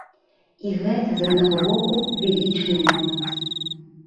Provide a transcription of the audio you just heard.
І гэта, з аднаго боку, велічны момант.